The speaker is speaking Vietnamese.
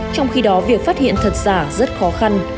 trong khi đó việc phát hiện thật giả rất khó khăn